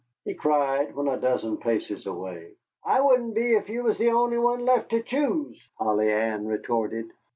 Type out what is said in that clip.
he cried, when a dozen paces away. "I wouldn't be if you was the only one left ter choose," Polly Ann retorted.